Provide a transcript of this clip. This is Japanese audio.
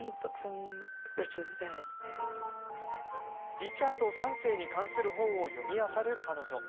リチャード３世に関する本を読みあさる彼女。